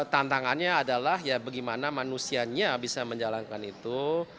tantangannya adalah ya bagaimana manusianya bisa menjalankan itu